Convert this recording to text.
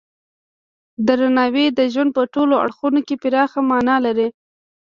درناوی د ژوند په ټولو اړخونو کې پراخه معنی لري.